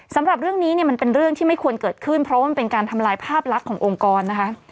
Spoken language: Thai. สำหรับเรื่องนี้เนี่ยมันเป็นเรื่องที่ไม่ควรเกิดขึ้นเพราะว่ามันเป็นการทำลายภาพลักษณ์ขององค์กรนะคะ